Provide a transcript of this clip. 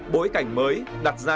bối cảnh mới đặt ra